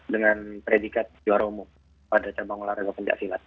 dengan predikat juara umum pada cabang olahraga pencak silat